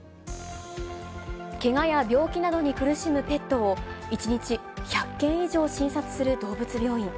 けがや病気などに苦しむペットを、１日１００件以上診察する動物病院。